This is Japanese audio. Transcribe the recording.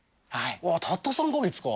たった３か月か。